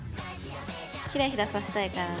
ひらひらさせたいからね。